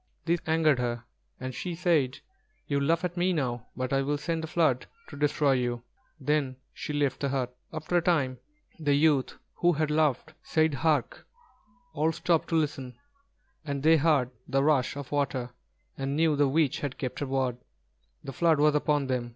This angered her, and she said: "You laugh at me now; but I will send a flood to destroy you." Then she left the hut. After a time, the youth who had laughed, said, "Hark!" All stopped to listen, and they heard the rush of water, and knew the witch had kept her word, the flood was upon them.